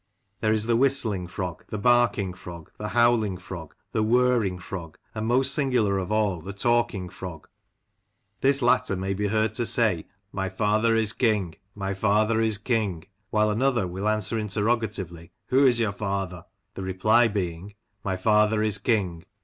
There is the "whistling frog," the " barking frog," the " howling frog," the "whirring frog," and, most singular of aU, the "talking frog." This latter may be heard to say, " My father is king," " My father is king," while another will answer interrogatively, " Who is your father ?" the reply being, " My father is king."